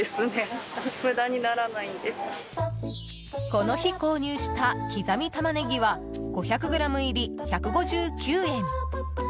この日、購入した刻みたまねぎは５００ｇ入り、１５９円。